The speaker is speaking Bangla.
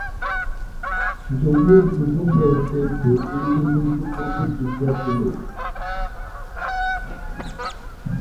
যদিও গুজব রয়েছে যে এই বিল্ডিংটি পূর্বে গির্জা ছিল।